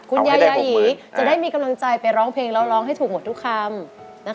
คุณยายยายีจะได้มีกำลังใจไปร้องเพลงแล้วร้องให้ถูกหมดทุกคำ